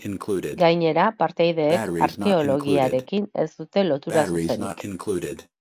Gainera, partaideek arkeologiarekin ez dute lotura zuzenik.